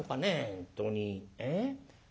本当にええ？